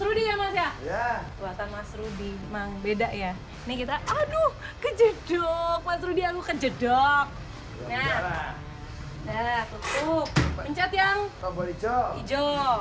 rudy mas rudy ini diminta naik sama mas rudy naik liftnya buatan mas rudy